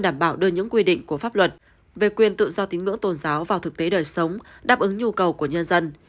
đảm bảo đưa những quy định của pháp luật về quyền tự do tín ngưỡng tôn giáo vào thực tế đời sống đáp ứng nhu cầu của nhân dân